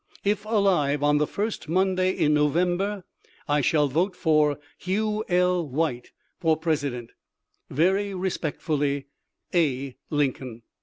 " If alive on the firtit MnnHayJn ISLovptnKpr^ I shall vote for Hugh L. White, for President. ■" Vei^n^espectfuUy, "A. Lincoln."